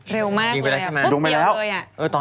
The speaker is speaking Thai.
เร็วมากยิงไปแล้วใช่ไหม